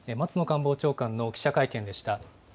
官房長官の記者会見でした。